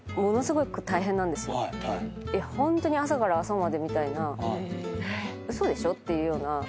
ホントに朝から朝までみたいな嘘でしょ？っていうような。